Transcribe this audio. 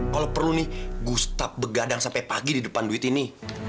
kalau perlu nih gustap begadang sampai pagi di depan duit ini